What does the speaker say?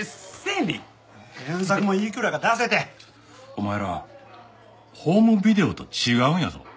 お前らホームビデオと違うんやぞ。